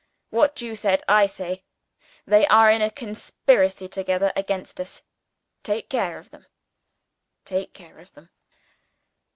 _ What you said, I say. They are in a conspiracy together against us. Take care of them! take care of them!